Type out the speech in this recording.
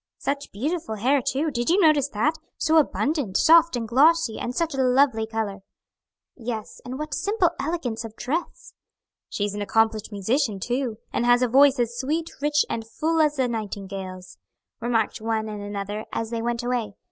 "Such beautiful hair too; did you notice that? so abundant, soft and glossy, and such a lovely color." "Yes, and what simple elegance of dress." "She's an accomplished musician, too, and has a voice as sweet, rich, and full as a nightingale's," remarked one and another as they went away.